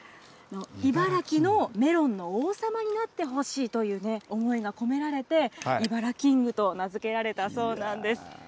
茨城のメロンの王様になってほしいという思いが込められて、イバラキングと名付けられたそうなんです。